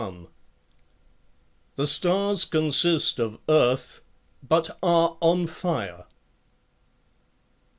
The stars consist of earth, but are on fire.